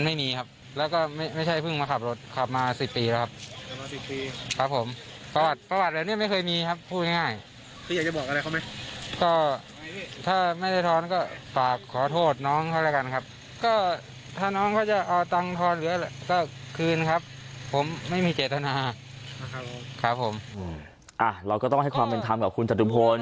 ไม่มีเจตนาครับครับผมอ่าเราก็ต้องให้ความเป็นธรรมกับคุณจัตรุพล